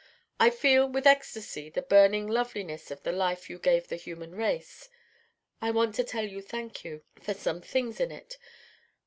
I feel with ecstasy the burning loveliness of the life you give the human race. I want to tell you thank you for some things in it.